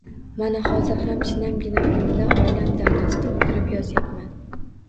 Mana hozir ham, shinamgina uyimda, oilam davrasida oʻtirib yozyapman.